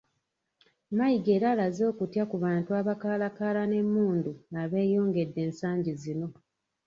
Mayiga era alaze okutya ku bantu abakaalakaala n’emmundu abeeyongedde ensangi zino.